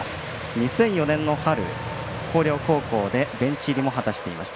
２００４年の春、広陵高校でベンチ入りも果たしていました。